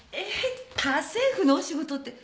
家政婦のお仕事ってこちらの？